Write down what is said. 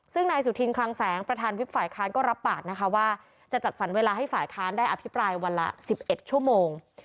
ซึ่งนายสุธินคลังแสงประธานวิบฝ่ายค้านก็รับปากนะคะว่าจะจัดสรรเวลาให้ฝ่ายค้านได้อภิปรายวันละ๑๑ชั่วโมง